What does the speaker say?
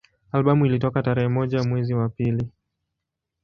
Albamu ilitoka tarehe moja mwezi wa pili